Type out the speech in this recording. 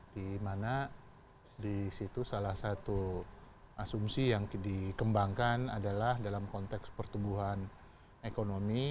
di mana di situ salah satu asumsi yang dikembangkan adalah dalam konteks pertumbuhan ekonomi